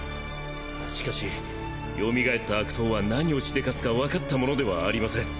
しかしよみがえった悪党は何をしでかすかわかったものではありません。